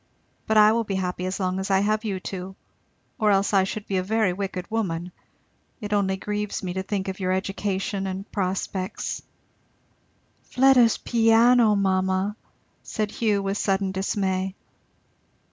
But I will be happy as long as I have you two, or else I should be a very wicked woman. It only grieves me to think of your education and prospects " "Fleda's piano, mamma!" said Hugh with sudden dismay.